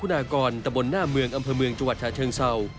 เหตุการณ์ที่เกิดขึ้นบนถนนเทพคุณากรตะบนหน้าเมืองอำเภอเมืองจังหวัดชาวเชิงเศร้า